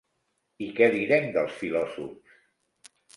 I què direm dels filòsofs?